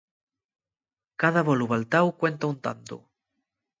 Cada bolu valtáu cuenta un tantu.